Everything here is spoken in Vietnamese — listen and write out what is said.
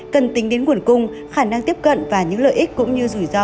cần tính đến nguồn cung khả năng tiếp cận và những lợi ích cũng như rủi ro